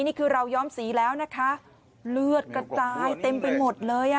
นี่คือเราย้อมสีแล้วนะคะเลือดกระจายเต็มไปหมดเลยอ่ะ